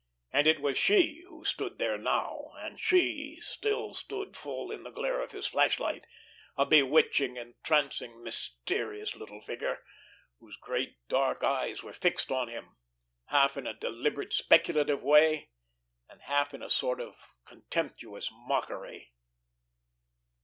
And it was she who stood there now; and she still stood full in the glare of his flashlight, a bewitching, entrancing, mysterious little figure, whose great dark eyes were fixed on him, half in a deliberate, speculative way, and half in a sort of contemptuous mockery.